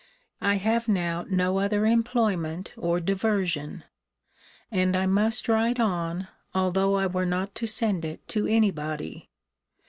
I have now no other employment or diversion. And I must write on, although I were not to send it to any body.